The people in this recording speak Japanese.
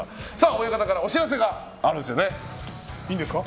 親方からお知らせがあるんですよね。